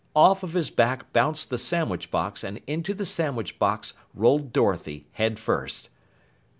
Off of his back bounced the sandwich box and into the sandwich box rolled Dorothy, head first.